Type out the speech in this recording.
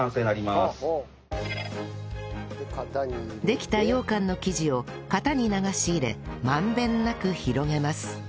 できたようかんの生地を型に流し入れ満遍なく広げます